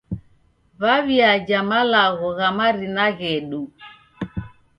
W'aw'iaja malagho gha marina ghedu.